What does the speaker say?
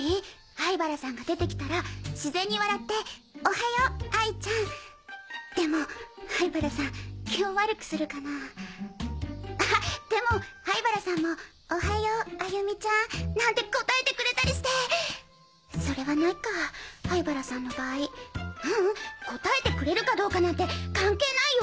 灰原さんが出て来たら自然に笑って「おはよう哀ちゃん！」でも灰原さん気を悪くするかなぁあっでも灰原さんも「おはよう歩美ちゃん」なんて答えてくれたりしてそれはないかぁ灰原さんの場合ううん答えてくれるかどうかなんて関係ないよ！